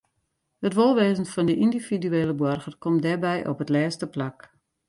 It wolwêzen fan de yndividuele boarger komt dêrby op it lêste plak.